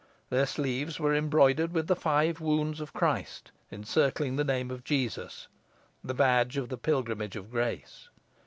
Their sleeves were embroidered with the five wounds of Christ, encircling the name of Jesus the badge of the Pilgrimage of Grace.